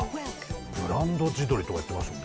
ブランド地鶏とか言ってました